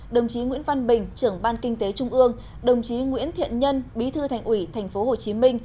đồng chí nguyễn văn bình trưởng ban kinh tế trung ương đồng chí nguyễn thiện nhân bí thư thành ủy tp hcm